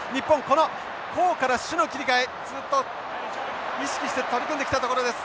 この攻から守の切り替えずっと意識して取り組んできたところです。